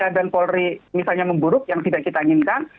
polda dan polri misalnya memburuk yang tidak kita inginkan